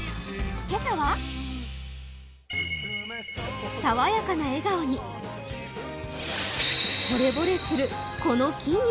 今朝は爽やかな笑顔に、ほれぼれするこの筋肉。